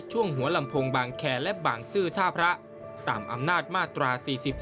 หัวลำโพงบางแคร์และบางซื่อท่าพระตามอำนาจมาตรา๔๔